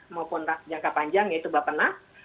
maupun jangka panjang yaitu bapak nas